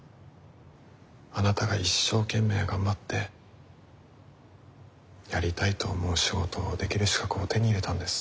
あなたが一生懸命頑張ってやりたいと思う仕事をできる資格を手に入れたんです。